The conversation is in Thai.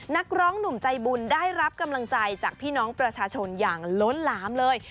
นักร้องหนุ่มใจบุญได้รับกำลังใจจากพี่น้องประชาชนอย่างล้นหลามเลย